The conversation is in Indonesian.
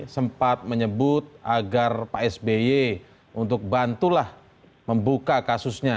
sempat menyebut agar pak sby untuk bantulah membuka kasusnya